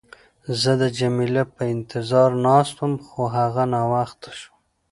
زه د جميله په انتظار ناست وم، خو هغه ناوخته شوه.